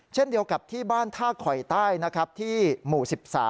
เช่นเดียวกับที่บ้านท่าคอยใต้นะครับที่หมู่๑๓